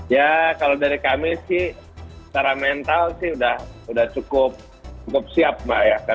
ya kalau dari kami sih secara mental sih sudah cukup siap mbak ya